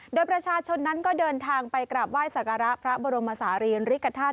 โดยประชาชนนั้นก็เดินทางไปกราบไหว้สักการะพระบรมศาลีริกฐาตุ